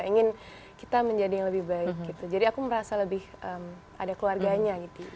ingin kita menjadi yang lebih baik gitu jadi aku merasa lebih ada keluarganya gitu